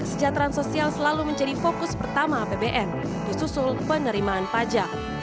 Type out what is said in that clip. kesejahteraan sosial selalu menjadi fokus pertama apbn disusul penerimaan pajak